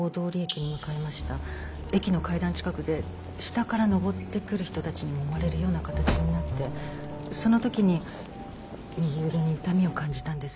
駅の階段近くで下から上ってくる人たちにもまれるような形になってその時に右腕に痛みを感じたんです。